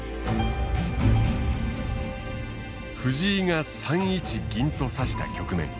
藤井が３一銀と指した局面。